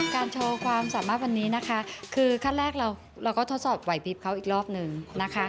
โชว์ความสามารถวันนี้นะคะคือขั้นแรกเราก็ทดสอบไหวพลิบเขาอีกรอบหนึ่งนะคะ